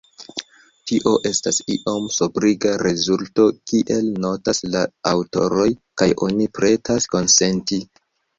Tio estas iom sobriga rezulto, kiel notas la aŭtoroj, kaj oni pretas konsenti.